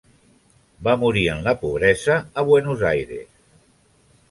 Va morir en la pobresa a Buenos Aires.